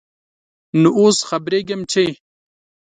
نوو اوس خبريږم ، چې ...